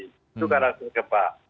itu karakter gempa